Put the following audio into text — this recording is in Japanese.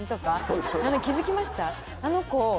あの子。